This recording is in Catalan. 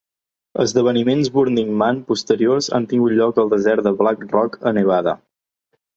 Esdeveniments Burning Man posteriors han tingut lloc al desert de Black Rock a Nevada.